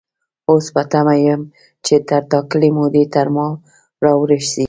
اوس په تمه يم چې تر ټاکلې مودې تر ما را ورسيږي.